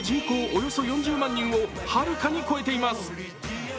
およそ４０万人をはるかに超えています。